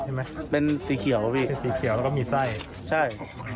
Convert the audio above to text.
ใช่ไหมเป็นสีเขียวพี่สีเขียวแล้วก็มีไส้ใช่